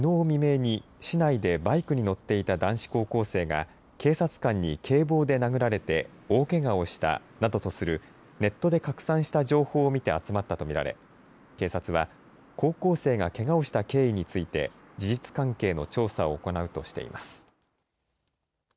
未明に市内でバイクに乗っていた男子高校生が警察官に警棒で殴られて大けがをしたなどとするネットで拡散した情報を見て集まったと見られ警察は、高校生がけがをした経緯について事実関係の調査を行うとしています。